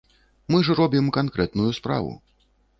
Мы ж робім канкрэтную справу.